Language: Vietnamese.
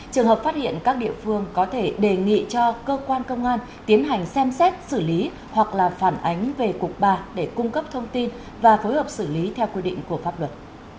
trường hợp phát hiện các địa phương có thể đề nghị cho cơ quan công an tiến hành xem xét xử lý hoặc là phản ánh về cục ba để cung cấp thông tin và phối hợp xử lý theo quy định của pháp luật